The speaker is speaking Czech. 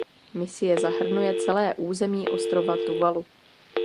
Misie zahrnuje celé území ostrova Tuvalu.